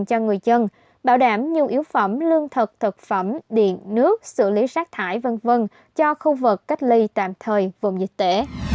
cho người dân bảo đảm nhu yếu phẩm lương thực thực phẩm điện nước xử lý sát thải v v cho khu vực cách ly tạm thời vùng dịch tễ